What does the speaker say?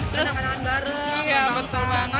terus iya betul banget